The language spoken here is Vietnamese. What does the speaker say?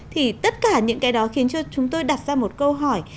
thì tất cả những cái đó khiến cho chúng tôi đặt ra một câu hỏi